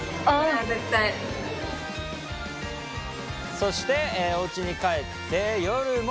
そしておうちに帰って夜も。